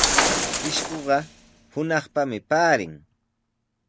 Pishquqa hunaqpami paarin.